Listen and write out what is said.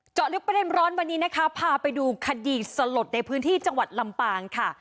ลึกประเด็นร้อนวันนี้นะคะพาไปดูคดีสลดในพื้นที่จังหวัดลำปางค่ะ